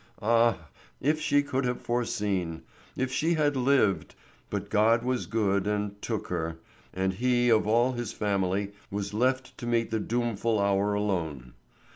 Ah, if she could have foreseen—if she had lived! But God was good and took her, and he of all his family was left to meet the doomful hour alone.